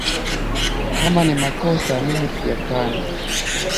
Kama ni makosa mimi sijafanya